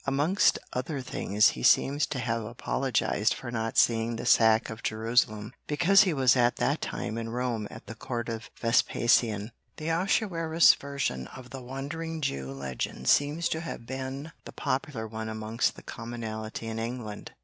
Amongst other things he seems to have apologised for not seeing the Sack of Jerusalem, because he was at that time in Rome at the Court of Vespasian. The Ahasuerus version of the Wandering Jew legend seems to have been the popular one amongst the commonalty in England.